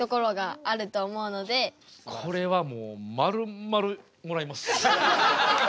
これはもうまるまるもらいます。